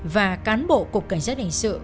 và cán bộ cục cảnh sát hình sự